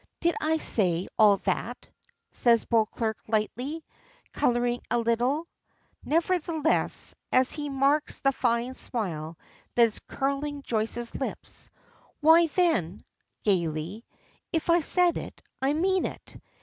"Did I say all that?" says Beauclerk lightly, coloring a little, nevertheless, as he marks the fine smile that is curling Joyce's lips. "Why, then," gayly, "if I said it, I meant it.